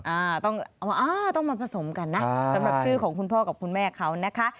อ้าวต้องมาผสมกันน่ะสำหรับชื่อของคุณพ่อกับคุณแม่ขาวนะคะ